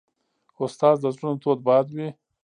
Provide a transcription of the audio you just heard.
استاد د زړونو تود باد وي.